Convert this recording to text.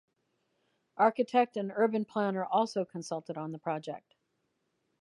Architect and urban planner also consulted on the project.